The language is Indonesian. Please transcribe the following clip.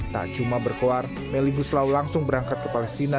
tak cuma berkoar melly guslau langsung berangkat ke palestina